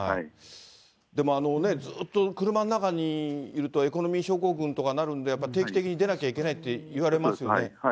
でもずっと車の中にいると、エコノミー症候群とかなるんで、やっぱり定期的に出なきゃいけないっていわれますよね。